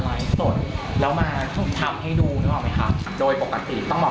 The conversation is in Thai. มีคลิปทั้งหมดนึกออกไหมคะเราก็ตีตรงฝั่ง